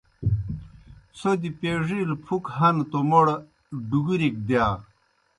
څھوْدیْ پیڙِیلہ پُھک ہنہ توْ موْڑ ڈُگُرِک دِیا۔